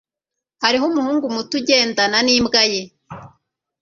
Hariho umuhungu muto ugendana nimbwa ye.